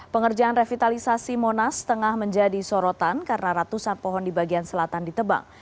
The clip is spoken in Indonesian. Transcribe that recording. pengerjaan revitalisasi monas tengah menjadi sorotan karena ratusan pohon di bagian selatan ditebang